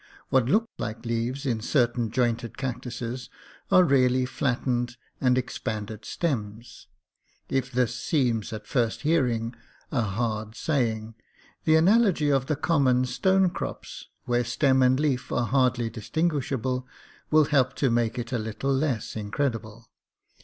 What look like leaves in certain jointed cactuses are really flattened and expanded stems. If this seems at first hearing a hard saying, the analogy of the common stone 224 THE NORTH AMERICAN REVIEW. crops, where stem and leaf are hardly distinguishable, will help to make it a little less incredible.